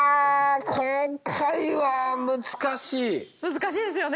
難しいですよね。